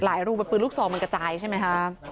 รูเป็นปืนลูกซองมันกระจายใช่ไหมคะ